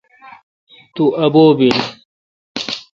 تو ابو° بیلہ۔